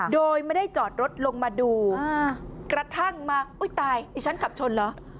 โดยไม่ได้จอดรถลงมาดูกระทั่งมาอุ้ยตายดิฉันขับชนเหรอ